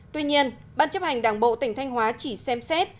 tuy nhiên ban chấp hành đảng bộ tỉnh thanh hóa chỉ xem xét